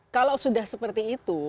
kalau sudah seperti itu